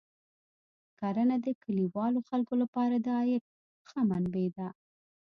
کرنه د کلیوالو خلکو لپاره د عاید ښه منبع ده.